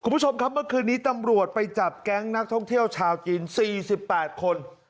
คุณผู้ชมครับเมื่อคืนนี้ตำรวจไปจับแก๊งนักท่องเที่ยวชาวจีน๔๘คน